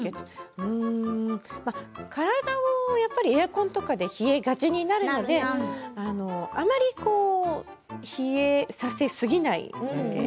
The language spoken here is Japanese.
体がエアコンとかで冷えがちになるのであまり冷えさせすぎない。